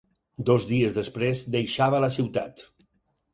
Dos dies després, deixava la ciutat.